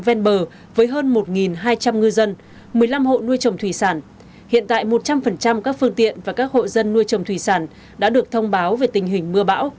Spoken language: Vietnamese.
về bên bờ với hơn một hai trăm linh ngư dân một mươi năm hộ nuôi chồng thùy sản hiện tại một trăm linh các phương tiện và các hộ dân nuôi chồng thùy sản đã được thông báo về tình hình mưa bão